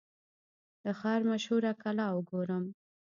د ښار مشهوره کلا وګورم.